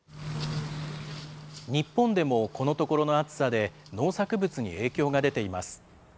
日本でも、このところの暑さで、農作物に影響が出ています。